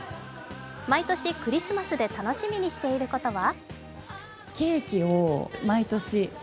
毎年、クリスマスで楽しみにしていることは？